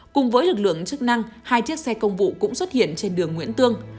cùng với lực lượng chức năng hai chiếc xe công vụ cũng xuất hiện trên đường nguyễn tương